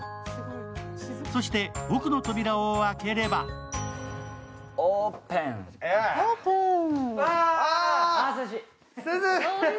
そして奥の扉を開ければオープン。